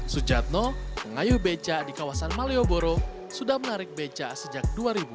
sujadno pengayuh beca di kawasan malioboro sudah menarik beca sejak dua ribu